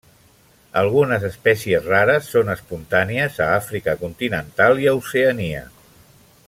Algunes espècies rares són espontànies a Àfrica continental i a Oceania.